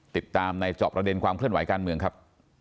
ติดตามในจอบประเด็นความเคลื่อนไหวการเมืองครับ